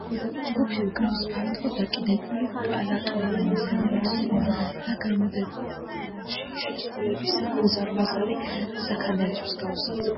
ჯგუფი უკრავს ფართო, დაკიდებულ პლატფორმაზე, რომელიც სრულ და გამუდმებულ ბრუნვაშია შესრულებისას, უზარმაზარი საქანელას მსგავსად.